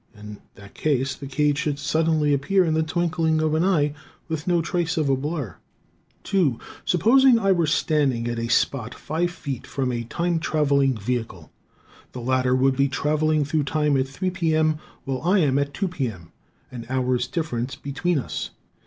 In that case, the cage should suddenly appear in the twinkling of an eye, with no trace of a blur. 2 Supposing I were standing at a spot five feet from a time traveling vehicle. The latter would be traveling through time at 3 P. M., while I am at 2 P. M. an hour's difference between us.